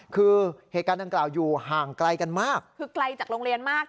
คือเหตุการณ์ดังกล่าวอยู่ห่างไกลกันมากคือไกลจากโรงเรียนมาก